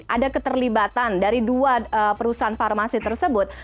ada keterlibatan dari dua perusahaan farmasi tersebut